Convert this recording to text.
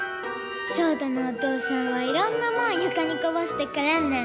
ショウタのお父さんはいろんなもんゆかにこぼしてくれんねん。